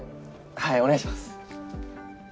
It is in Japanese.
はいお願いします。